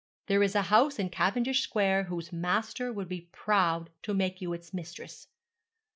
There is a house in Cavendish Square whose master would be proud to make you its mistress.